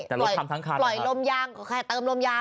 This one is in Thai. ปล่อยลมยางเกินให้ติดนะ